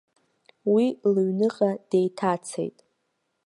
Уи лыҩныҟа деиҭацеит.